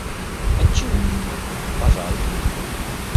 Отчего же, пожалуйста.